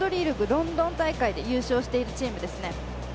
ロンドン大会で優勝しているチームですね。